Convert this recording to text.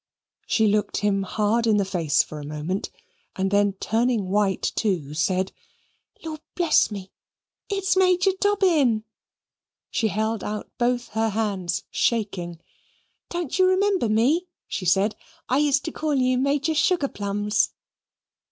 She looked him hard in the face for a moment and then turning white too said, "Lord bless me it's Major Dobbin." She held out both her hands shaking "Don't you remember me?" she said. "I used to call you Major Sugarplums."